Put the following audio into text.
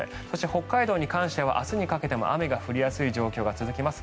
北海道に関しては明日にかけても雨が降りやすい状況が続きます。